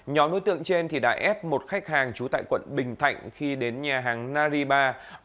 nhóm đối tượng trên đã ép một khách hàng trú tại quận bình thạnh khi đến nhà hàng nariba